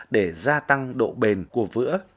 để gia tăng độ bền của vữa